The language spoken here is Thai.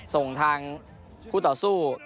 ส่งทางคู่ต่อสู้